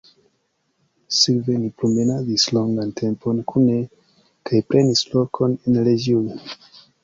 Sekve ni promenadis longan tempon kune kaj prenis lokon en loĝio.